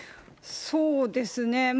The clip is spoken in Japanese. そうですね。